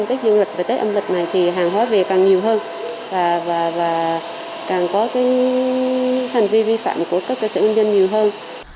các dương lịch về tết âm lịch này thì hàng hóa vi phạm càng nhiều hơn và càng có hành vi vi phạm của các sự nhân dân nhiều hơn